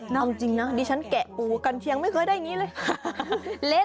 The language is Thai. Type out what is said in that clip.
เอาจริงนะดิฉันแกะปูกันเชียงไม่เคยได้อย่างนี้เลยค่ะ